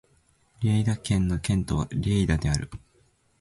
リェイダ県の県都はリェイダである